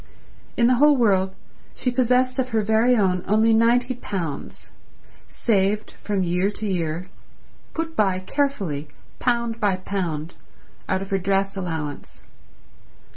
In the whole world she possessed of her very own only ninety pounds, saved from year to year, put by carefully pound by pound, out of her dress allowance.